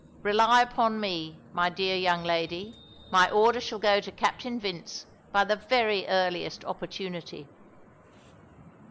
Rely upon me, my dear young lady, my order shall go to Captain Vince by the very earliest opportunity."